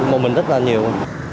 một mình rất là nhiều